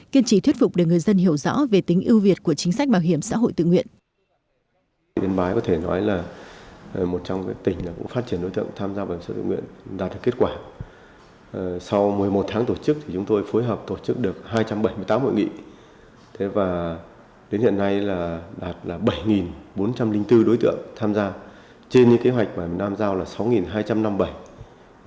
kiên trì thuyết phục để người dân hiểu rõ về tính ưu việt của chính sách bảo hiểm xã hội tự nguyện